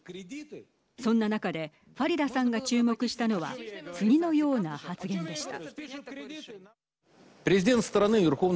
そんな中でファリダさんが注目したのは次のような発言でした。